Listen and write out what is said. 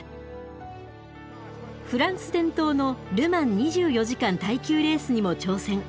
フランス伝統の「ル・マン２４時間耐久レース」にも挑戦。